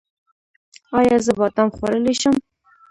ایا زه بادام خوړلی شم؟